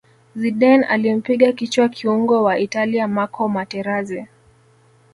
zidane alimpiga kichwa kiungo wa italia marco materazi